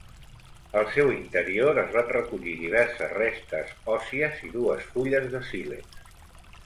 Al seu interior es van recollir diverses restes òssies i dues fulles de sílex.